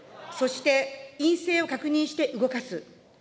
そして、陰性を確認して動かす。